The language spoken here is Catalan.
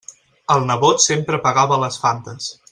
El nebot sempre pagava les Fantes.